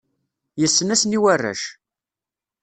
Yessen-asen i warrac.